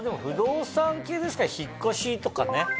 不動産系ですから引っ越しとかね。